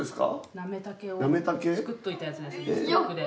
なめたけを作っておいたやつですね